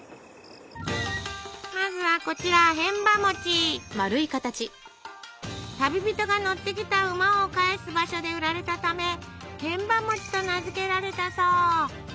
まずはこちら旅人が乗ってきた馬を返す場所で売られたためへんばと名付けられたそう。